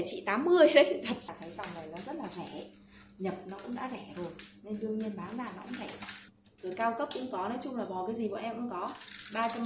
rồi cao cấp cũng có nói chung là bò cái gì bọn em cũng có